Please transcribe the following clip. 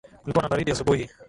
Kulikuwa na baridi asubuhi